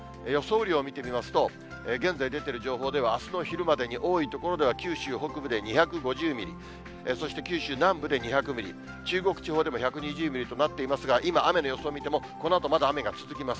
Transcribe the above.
雨量を見てみますと、現在出ている情報では、あすの昼までに多い所では、九州北部で２５０ミリ、そして九州南部で２００ミリ、中国地方でも１２０ミリとなっていますが、今、雨の予想を見ても、このあとまだ雨が続きます。